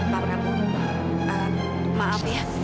pak prabu maaf ya